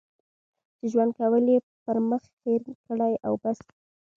چې ژوند کول یې پر مخ هېر کړي او بس.